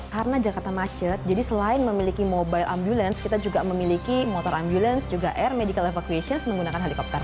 karena jakarta macet jadi selain memiliki mobile ambulance kita juga memiliki motor ambulance juga air medical evacuation menggunakan helikopter